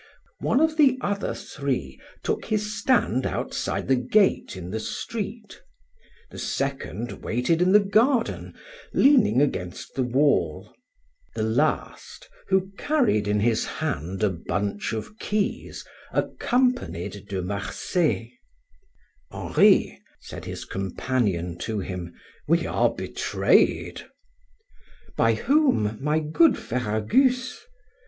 One of the other three took his stand outside the gate in the street; the second waited in the garden, leaning against the wall; the last, who carried in his hand a bunch of keys, accompanied De Marsay. "Henri," said his companion to him, "we are betrayed." "By whom, my good Ferragus?"